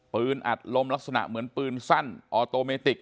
อัดลมลักษณะเหมือนปืนสั้นออโตเมติก